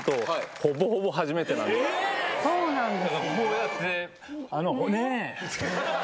そうなんです。